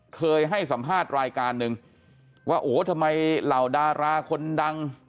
เคยให้สัมภาษณ์รายการหนึ่งว่าโอ้โหทำไมเหล่าดาราคนดัง